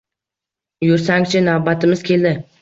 Yursang-chi, navbatimiz keldi